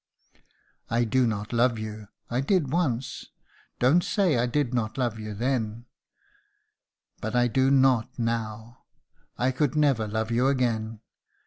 "I do not love you. I did once. Don't say I did not love you then; but I do not now. I could never love you again.